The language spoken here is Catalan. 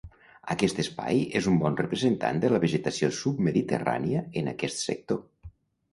Aquest Espai és un bon representant de la vegetació submediterrània en aquest sector.